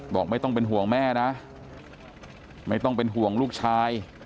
บอกไม่ต้องเป็นห่วงแม่นะไม่ต้องเป็นห่วงลูกชาย